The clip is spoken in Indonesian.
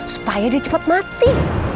supaya dia cepat mati